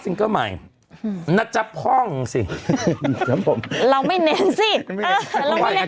ซิงเกอร์ใหม่อืมนัจจะพ่องสินะครับผมเราไม่เน้นสิเราไม่เน้น